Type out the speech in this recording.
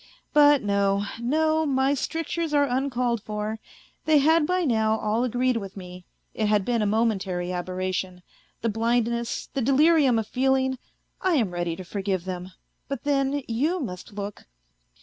... But, no, no, my strictures are uncalled for ; they had by now all agreed with me ; it had been a momentary aberration ; the blindness, the delirium of feeling; I am ready to forgive them. ... But then you must look